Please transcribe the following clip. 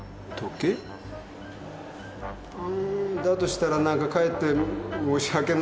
うーんだとしたらなんかかえって申し訳ないねぇ。